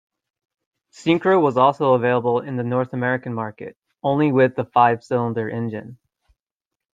Syncro was also available in the North American market, only with the five-cylinder engine.